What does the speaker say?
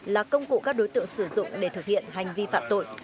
là công cụ các đối tượng sử dụng để thực hiện hành vi phạm tội